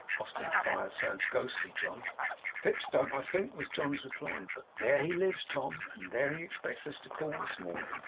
Austin Friars sounds ghostly, John.' 'Fips don't, I think,' was John's reply. 'But there he lives, Tom, and there he expects us to call this morning.